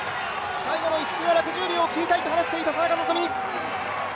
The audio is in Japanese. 最初の１周は６０秒を切りたいと話していた田中希実。